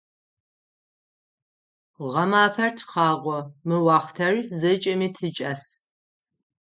Гъэмафэр тхъагъо, мы уахътэр зэкӀэми тикӀас.